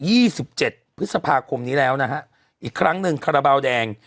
สิบเจ็ดพฤษภาคมนี้แล้วนะฮะอีกครั้งหนึ่งคาราบาลแดง